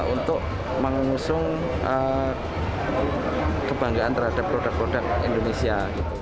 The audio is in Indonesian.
untuk mengusung kebanggaan terhadap produk produk indonesia